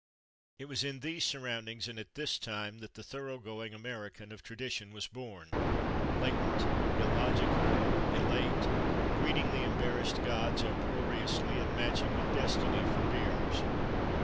It was in these surroundings and at this time that the thorough going American of tradition was born: blatant, illogical, elate, "greeting the embarrassed gods" uproariously and matching "with Destiny for beers."